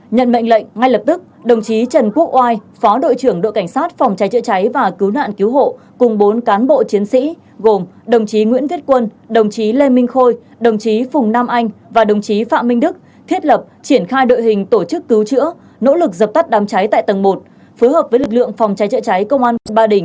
nhận mệnh lệnh ngay lập tức đồng chí trần quốc oai phó đội trưởng đội cảnh sát phòng cháy chữa cháy và cứu nạn cứu hộ cùng bốn cán bộ chiến sĩ gồm đồng chí nguyễn viết quân đồng chí lê minh khôi đồng chí phùng nam anh và đồng chí phạm minh đức thiết lập triển khai đội hình tổ chức cứu chữa nỗ lực dập tắt đám cháy tại tầng một phối hợp với lực lượng phòng cháy chữa cháy công an quận ba đình